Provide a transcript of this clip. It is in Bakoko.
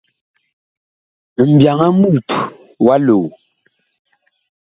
Mbyaŋ a mut wa loo.